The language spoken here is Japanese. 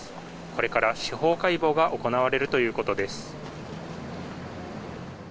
これから司法解剖が行われるということです。